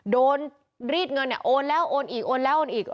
โดนรีดเงินโอนแล้วโอนอีกโอนแล้วโอนอีก